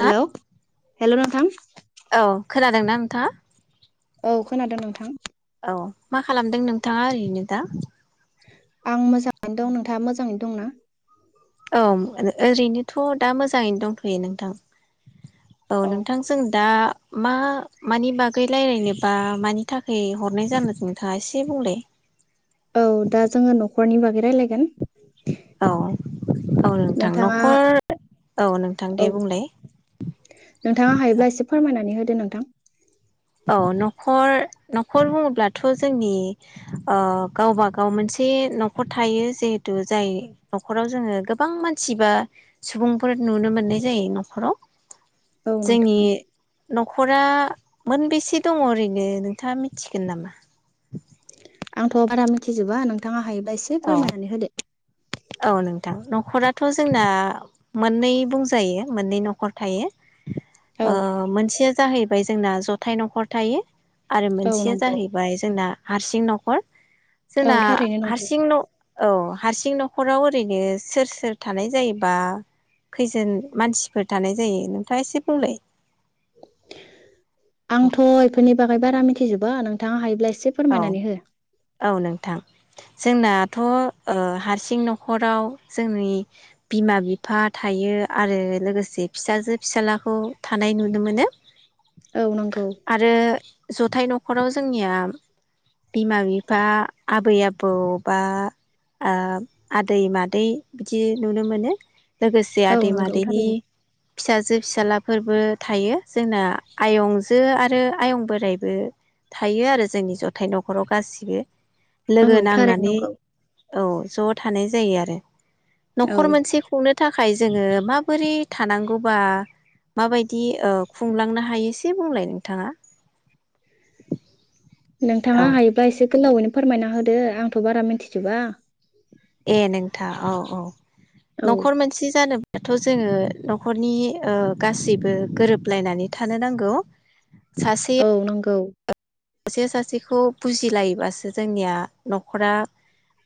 Hello hello नोंथां औ खोनादोंना नोंथाङा? औ खोनादों नोंथां। औ मा खालामदों नोंथाङा ओरैनो दा आं मोजां दं नोंथाङा मोजाङै दंना औ ओरैनोथ' दा मोजाङैनो दंथ'यो नोंथां औ नोंथां जों दा मा मानि बागै रायज्लायनोबा मानि थाखाय हरनाय जानो नोंथाङा एसे बुंलाय औ दा जोङो न'खरनि बागै रायलाय औ औ नोंथां नोंथाङा न'खर औ नोंथां दे औ बुंलाय औ दो नोंथां अ न'खर न'खर बुङोब्लाथ' जोंनि गावबागाव मोनसे न'खर थायो जिहेथु जाय न'खराव जोङो गोबां मानसि बा सुबुंफोर नुनो मोननाय जायो न'खराव औ जोंनि नोंथां न'खरा मोनबेसे दङ ओरैनो नोंथाङा मिथिगोन नामा? आंथ' बारा मिथिजोबा नोंथाङा हायो एसे औ फोरमायनानै होदो औ नोंथां न'खराथ' जोंना मोननै बुंजायो मोननै न'खर थायो औ ओ मोनसेया जाहैबाय ओमफ्राय जोंना जथाय न'खर थायो आरो औ मोनसेया नंगौ जाहैबाय जोंना हारसिं नख'र औ जोंना थारैनो नंगौ हारसिं न' औ हारसिं न न'खराव ओरैनो सोर सोर थानाय जायोबा खैजोन मानसिफोर थानाय जायो नोंथाङा एसे बुंलाय [inaudible] आंथ' बेफोरनि बागै बारा मिथि थैजोबा नोंथाङा हायोब्लास औ-औ नोंथां जोंनाथ' हारसिं न'खराव जोंनि बिमा बिफा थायो आरो लोगोसे फिसाजो फिसााज्लाखौ थानाय नुनो मोनो। औ नंगौ आरो जथाय न' न'खराव जोंनिया बिमा-बिफा, आबै-आबौ, बा आदै-मादै बिदि नुनो मोनो। लोगोसे औ आदै नंगौ मादैनि थारैनो फिसाजो। फिसालाफोरबो थायो जोंना आयंजो आरो आयं बोराइबो थायो आरो जोंनि ओमफ्राय न'खराव गासिबो लोगो औ थारैनो नांनानै। नंगौ औ ज' थानाय जायो आरो औ न'खर मोनसे खुंनो थाखाय थाखाय जोङो माबोरै थानांगौबा माबायदि खुंलांनो हायो? एसे बुंलाय नोंथाङा औ नोंथाङा हायोबा एसे गोलावैनो फोरमायना होदो आंथ' बारा मिथिजोबा ए नोंथां औ औ औ न'खर मोनसे जानो दाथ' जोङो न'खरनि गासैबो गोरोबलायनानै थानो नांगौ। सासेया औ नंगौ सासे सासेखौ बुजिलायोबासो जोंनिया न'खरा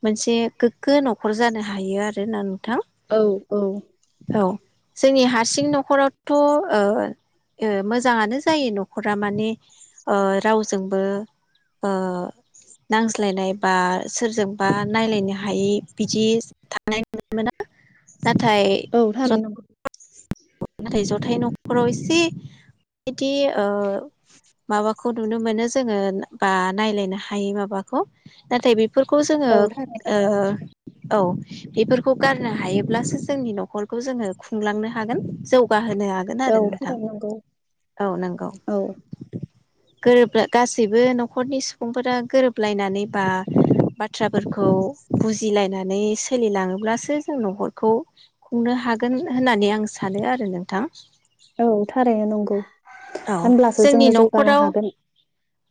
मोनसे गोग्गो न'खर जानो हायो आरो ना औ औ जोंनि हारसिं न'खरावथ' ओ ओ मोजाङानो जायो न'खरा माने ओ रावजो जोंबो ओ नांज्लायनाय बा सोरजोंबा नायलायनो हायि बिदि थानाय नुनो मोना नाथाय औ ज थारैनो नंगौ नाथाय जथाय न'खराव एसे बिदि ओ माबाखौ नुनो मोनो जोङो बा नायलायनो हायै माबाखौ नाथाय बे फोरखौ जोङो औ थारैनो नंगौ ओ औ बेफोरखौ गारनो हायोब्लासो जोंनि न'खरखौ जोङो खुंलांनो हागोन जौगा होनो हागोन औ आरो नोंथां थारैनो नंगौ औ नंगौ। औ गोरोब गासैबो न'खरनि सुबुंफोरा गोरोबलायनानै बा बाथ्राफोरखौ बुजिलायनानै सोलिलाङोब्लासो जों न'खरखौ खुंनो हागोन होननानै आं सानो आरो नोंथां औ थारैनो नंगौ औ होनब्लासो जोंनि जोङो जौगानो न'खराव हागोन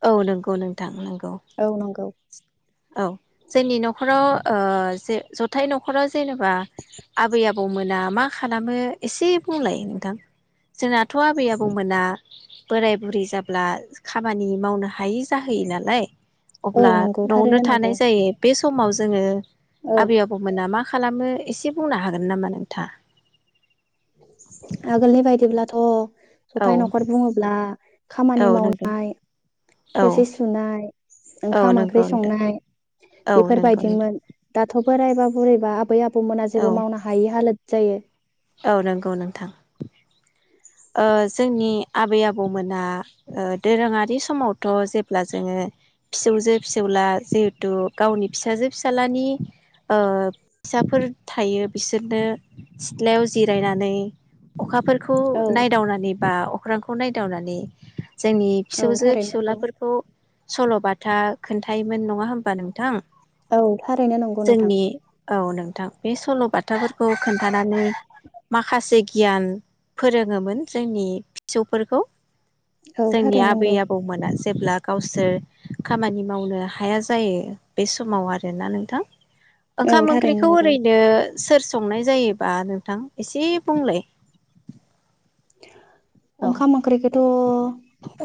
औ नंगौ नोंथां नंगौ औ नंगौ औ जोंनि न'खराव ओ जे जथाय न'खराव जेनेबा आबै आबौमोना मा खालामो एसे बुंलायो नोंथां जोंनाथ' आबै आबौमोना बोराय बुरि जाब्ला खामानि मावनो हायि जाहोयो नालाय औ अब्ला नंगौ न'आवनो थारैनो नंगौ थानाय जायो बे समाव जोङो औ आबै आबौ मोना मा खालामो एसे बुंनो हागोन नामा नोंथा? आगोलनि बायदिब्लाथ' औ जथाय न'खर बुङोब्ला खामानि औ नंगौ मावनाय औ थोरसि सुनाय औ ओंखाम नंगौ ओंख्रि नोंथां संनाय औ नंगौ नोंथां बेफोरबायदिमोन दाथ' बोराइबा बुरैबा आबै आ बौमोना औ जेबो मावनो हायि हालोद जायो औ नंगौ नोंथां। ओ जोंनि आबै आबौमोना दोरोङारि समावथ' जेब्ला जोङो फिसौजो फिसौला जिहेथु गावनि फिसाजो फिसाज्लानि ओ फिसाफोर थायो बिसोरनो सिथ्लायाव जिरायनानै अखाफोरखौ औ नायदावनानै बा अख्रांखौ नायदावनानै जोंनि औ फिसौजो थारैनो नंगौ फिसौलाफोरखौ सल' बा खोथा खोन्थायोमोन नङा होमबा नोंथां? औ थारैनो नंगौ नोंथां जोंनि औ नोंथां बे सल'बाथाफोरखौ खोन्थानानै माखासे गियान फोरोङोमोन जोंनि फिसौफोरखौ औ जोंनि थारैनो आबै नंगौ आबौमोना जेब्ला गावसोर खामानि मावनो हाया जायो बे समाव आरोना नोंथां। औ ओंखाम थारैनो ओंख्रिखौ नंगौ ओरैनो सोर संनाय जायोबा नोंथां एसे बुंलाय? औ [inaudible] ओंखाम ओंख्रिखौथ'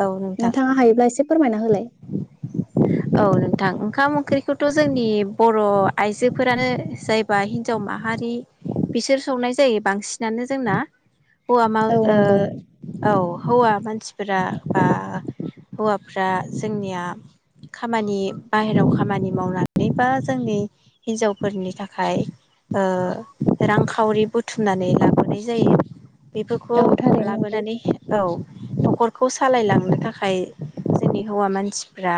औ नोंथां नोंथाङा हायोब्ला एसे फोरमायना होलाय? औ नोंथां ओंखाम ओंख्रिखौथ' जोंनि बर' आइजोफोरानो जायबा हिनजाव माहारि बिसोर संनाय जायो बांसिनानो जोंना। हौवा माव औ नंगौ ओ औ हौवा मानसिफोरा बा हौवाफ्रा जोंनिया खामानि बाहेरायाव खामानि मावनानै बा जोंनि हिन्जावफोरनि थाखाय ओ रांखावरि बुथुमनानै लाबोनाय जायो। बेफोरखौ औ थारैनो नंगौ लाबोनानै औ न'खर खौ सालायलांनो थाखाय जोंनि हौवा मानसिफ्रा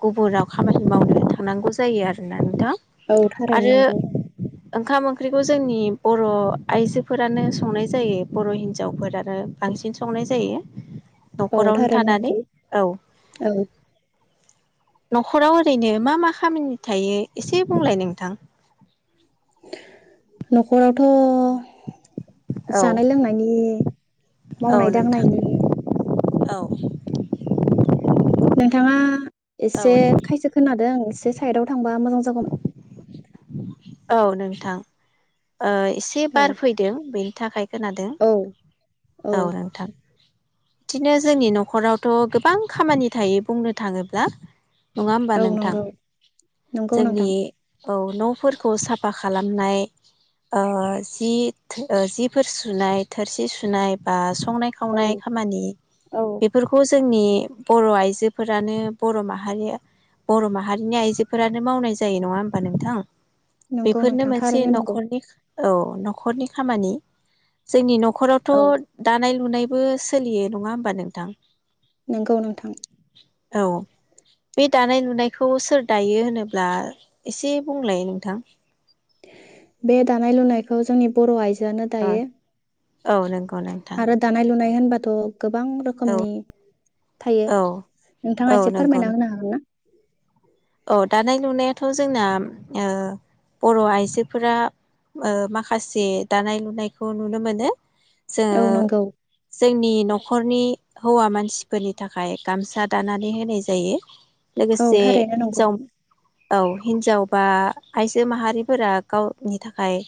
गुबुनाव खामानि मावनो थांनांगौ जायो आरोना नोंथां। औ थारैनो आरो नंगौ ओंखाम-ओंख्रिखौ जोंनि बर' आइजोफोरानो संनाय जायो बर' हिन्जावफोरानो बांसिन संनाय जायो। औ न'खरावनो थारैनो थानानै नंगौ औ। औ न'खराव ओरैनो मा मा खामानि थायो एसे बुंलाय नोंथां? न'खरावथ' औ जानाय लोंनायनि औ मावनाय नोंथां दांनायनि औ नोंथाङा औ एसे नों खायसे खोनादों एसे साइदाव थांबा मोजां जागौमोन। औ नोंथां ओ एसे औ बार फैदों बे नि थाखाय खोनादों औ औ नोंथां बिदिनो जोंनि न'खरावथ' गोबां खामानि थायो बुंनो थाङोब्ला नङा होमबा औ नोंथां नंगौ नंगौ जोंनि नोंथां औ नफोर खौ साफा खालामनाय ओ जि जिफोर सुनाय थोरसि सुनाय बा स संनाय औ खावनाय खामानि औ बेफोरखौ जोंनि बर आइजोफोरानो बर माहारिया बर माहारिनि आइजोफोरानो मावनाय जायो नङा होमबा नोंथां नंगौ बेफोरनो नोंथां मोनसे थारैनो नंगौ नखरनि खा औ नखरनि खामानि जोंनि नख नखरावथ औ दानाय लु नुनायबो सोलियो नङा होमबा नोंथां नोंगौ नोंथां औ बे दानाय लुनायखौ सोर दायो होनोब्ला एसे बुंलाय नोंथां बे दानाय लुनायखौ जोंनि बर आइजो यानो ओ दायो औ नंगौ नोंथां आरो दानाय लुनाय होनबाथ गोबां रोखोमनि थायो औ औ नोंथाङा एसे नंगौ फोरमायना होनो हागोन ना औ दानाय लुनायाथ जोंना बर आइजोफोरा माखासे दानाय लुनायखौ नुनो मोनो जोङो औ नंगौ जोंनि नख नखरनि हौवा मानसिफोरनि थाखाय गामसा दानानै होनाय जायो औ लोगोसे थारैनो नंगौ हिन्जाव औ हिनजाव बा आइजो माहारिफोरा गावनि थाख थाखाय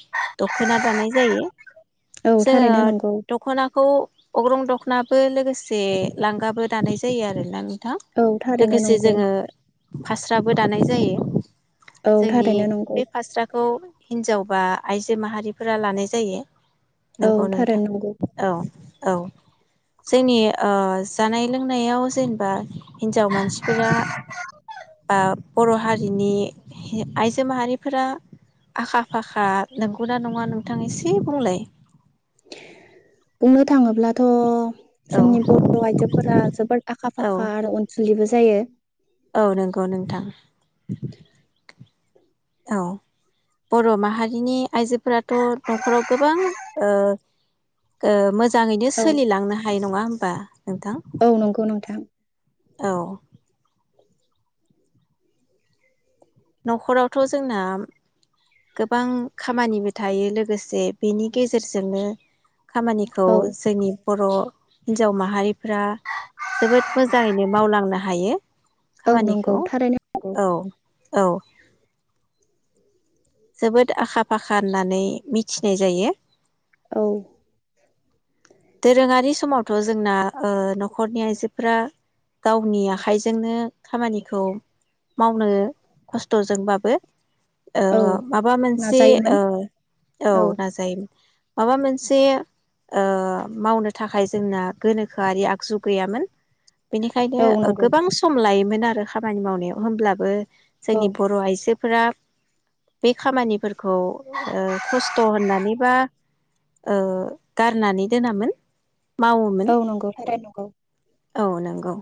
दखना दानाय जायो औ जोङो थारैनो नंगौ दखनाखौ अग्रं दख नाबो लोगोसे लांगाबो दानाय जायो आरोना नों थां औ थारैनो लोगोसे नंगौ जोङो फास्राबो दानाय जायो औ जोंनि थारैनो नंगौ बे फास्राखौ हिनजावबा आइजो माहारिफोरा लानाय जायो औ नंगौ नोंथां थारैनो नंगौ औ औ जोंनि ओ जानाय लोंनायाव जेनेबा हिन्जाव मानसिफोरा बा बर हारिनि आइजो माहारिफोरा आखा फाखा नोंगौना नोंङा नोंथां एसे बुंलाय बुंनो थाङोब्लाथ औ जोंनि बर आइजोफोरा जोबोद आखा औ फाखा आरो अनसुलिबो जा जायो औ नंगौ नोंथां औ बर माहारिनि आइजोफोराथ नखराव गोबां ओ - ओ मो जाङैनो औ सोलिलांनो हायो नङा होनबा नोंथा। औ नंगौ नोंथां औ न'खरावथ' जोंना गोबां खामानिबो थायो लोगोसे बेनि गेजेरजोंनो- खामानिखौ औ जोंनि बर' हिन्जाव माहारि फोरा जोबोद मोजाङैनो मावलांनो हायो। औ नंगौ खामानिखौ थारैनो नंगौ। औ औ जोबोद आखा फाखा होननानै मिथिनाय जायो। औ दोरोङारि समावथ' जोंना ओ न'खरनि आइजोफोरा गावनि आखाइजोंनो खामानिखौ मावनो खस्थ'जोंबाबो ओ औ माबा मोनसे नाजायोमोन ओ औ नाजायोमोन। माबा मोनसे ओ मावनो थाखाय जोंना गोनोखोआरि आगजु गैयामोन। बेनिखायनो औ नंगौ गोबां सम लायोमोन। आरो खामानि मावनायाव होमब्लाबो। औ जोंनि बर' आइजो फोरा बे खामानिफोरखौ ओ खस्थ' होननानै बा ओ गारनानै दोनामोन। मावोमोन औ नंगौ नंगौ औ नंगौ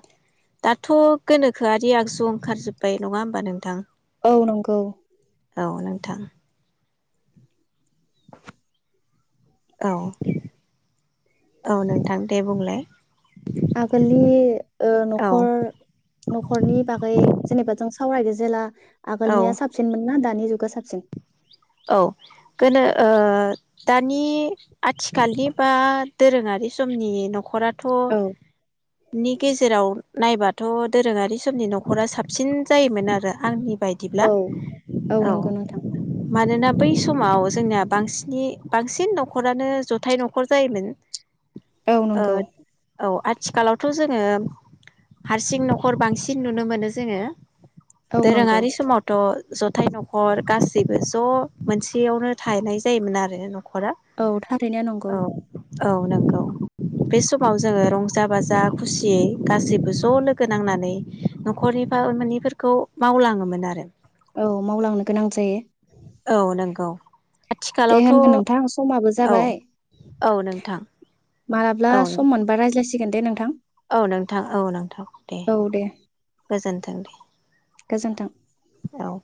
दाथ' गोनोखोआरि आगजु ओंखारजोबबाय नङा होमबा नोंथां, औ नंगौ औ नोंथां औ औ नोंथां दे बुंलाय? आगोलनि ओ औ नख'र नख'रनि बागै जेनेबा जों सावरायदो जेला औ आगोलनिया साबसिनमोन ना दा दानि जुगा साबसिन? औ गोनो ओ दानि आथिखालनि बा दोरोङारि समनि नख'रा थ' औ नि गेजेराव नायबाथ दोरोङारि समनि नख'रा साबसिन जायोमोन आरो आंनि बायदिब्ला औ औ नंगौ नोंथां मानोना बै समाव जोंनाया बांसिनि बांसिन नख'रानो जथाय नखर जायोमोन। औ ओ नंगौ औ आ थिखालावथ जोङो हारसिं नखर बांसिन नुनो मोनो जोङो। औ नंगौ दोरोङारि समावथ जथाय नखर गासैबो द मोनसेयावनो थायनाय जायोमोन आरो न औ थारैनो नंगौ औ नंगौ बे समाव जोंङो रंजा बाजा खुसियै गासैबो ज लोगो नांनानै नखरनि बामानिफोरखौ मावलाङोमोन आरो औ मावलांनो गोनां जायो औ नोंगौ दे होनबा नोंथां समाबो जाबाय औ नोंथां मालाब्ला औ सम मोनबा रायज्लायसि गोन दे नोंथां औ नोंथां औ नोंथां दे गोजोनथों दे गोजोन्थों औ